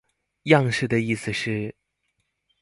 樣式的意思是？